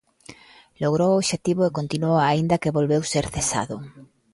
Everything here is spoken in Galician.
Logrou o obxectivo e continuou aínda que volveu ser cesado.